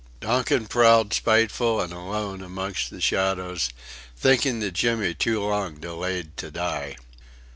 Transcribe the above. Donkin prowled spiteful and alone amongst the shadows, thinking that Jimmy too long delayed to die.